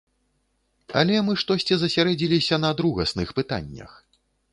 Але мы штосьці засярэдзіліся на другасных пытаннях.